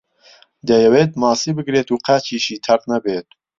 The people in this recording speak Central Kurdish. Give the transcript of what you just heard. دەیەوێت ماسی بگرێت و قاچیشی تەڕ نەبێت.